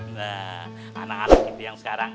nah anak anak gitu yang sekarang